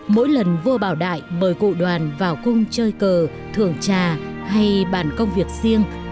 mỗi lần vua bảo đại mời cụ đoàn vào cung chơi cờ thưởng trà hay bàn công việc riêng